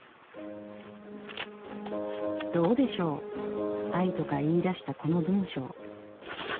「どうでしょう『愛』とか言い出したこの文章。